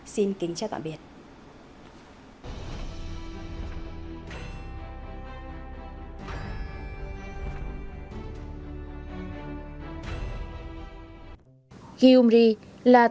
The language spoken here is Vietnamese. xin kính chào tạm biệt